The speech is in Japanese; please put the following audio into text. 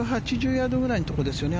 ２８０ヤードぐらいのところですよね。